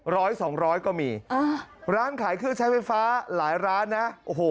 ร้อยสองร้อยก็มีอ่าร้านขายเครื่องใช้ไฟฟ้าหลายร้านนะโอ้โห